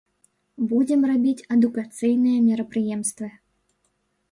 Будзем рабіць адукацыйныя мерапрыемствы.